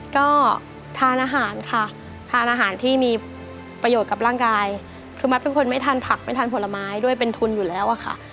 ก็ทานอาหารค่ะทานอาหารที่มีประโยชน์กับร่างกายคือมัดเป็นคนไม่ทานผักไม่ทานผลไม้ด้วยเป็นทุนอยู่แล้วอะค่ะ